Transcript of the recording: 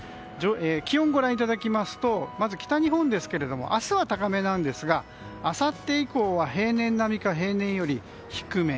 気温をご覧いただきますとまずは北日本ですが明日は高めなんですがあさって以降は平年並みか平年より低め。